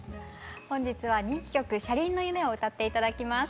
本日は人気曲「車輪の夢」を歌って頂きます。